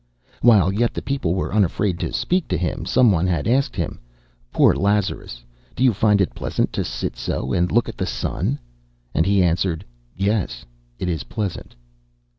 While yet the people were unafraid to speak to him, same one had asked him: "Poor Lazarus! Do you find it pleasant to sit so, and look at the sun?" And he answered: "Yes, it is pleasant."